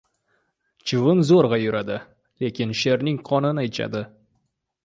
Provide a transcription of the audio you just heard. • Chivin zo‘rg‘a yuradi, lekin sherning qonini ichadi.